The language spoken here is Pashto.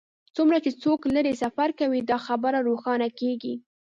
څومره چې څوک لرې سفر کوي دا خبره روښانه کیږي